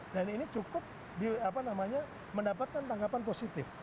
dan ini cukup mendapatkan tanggapan positif